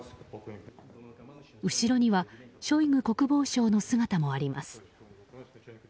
後ろには、ショイグ国防相の姿もあります。